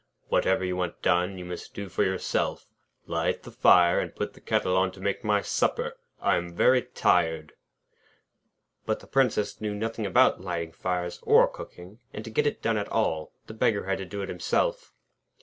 'Whatever you want done, you must do for yourself. Light the fire, and put the kettle on to make my supper. I am very tired.' But the Princess knew nothing about lighting fires or cooking, and to get it done at all, the Beggar had to do it himself.